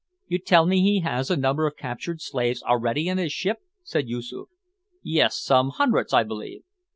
"You tell me he has a number of captured slaves already in his ship?" said Yoosoof. "Yes, some hundreds, I believe."